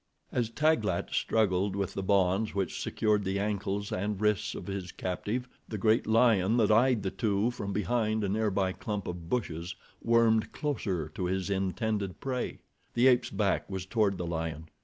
As Taglat struggled with the bonds which secured the ankles and wrists of his captive, the great lion that eyed the two from behind a nearby clump of bushes wormed closer to his intended prey. The ape's back was toward the lion.